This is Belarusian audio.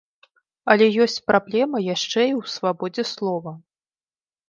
Але ёсць праблема яшчэ і ў свабодзе слова.